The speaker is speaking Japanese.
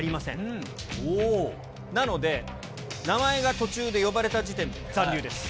なので、名前が途中で呼ばれた時点で残留です。